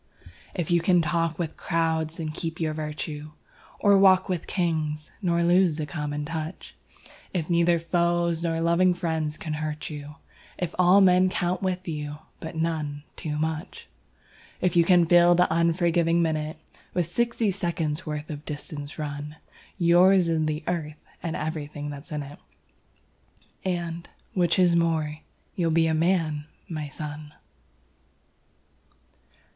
If you can talk with crowds and keep your virtue, Or walk with Kings nor lose the common touch; If neither foes nor loving friends can hurt you, If all men count with you, but none too much; If you can fill the unforgiving minute With sixty seconds' worth of distance run, Yours is the Earth and everything that's in it, And which is more you'll be a Man, my son!